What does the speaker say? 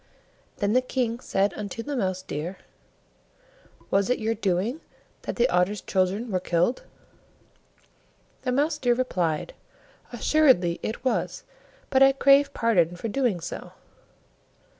Then the King said unto the Mouse deer, "Was it your doing that the Otter's children were killed?" The Mouse deer replied, "Assuredly it was, but I crave pardon for doing so."